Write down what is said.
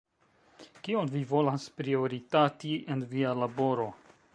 Kion vi volas prioritati en via laboro?